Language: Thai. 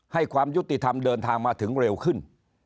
ความยุติธรรมเดินทางมาถึงเร็วขึ้น